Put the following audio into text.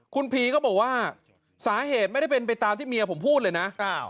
คุณพีก็บอกว่าสาเหตุไม่ได้เป็นไปตามที่เมียผมพูดเลยนะ